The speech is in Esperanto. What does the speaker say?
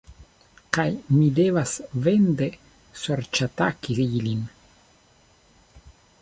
Kaj mi devas vende sorĉataki ilin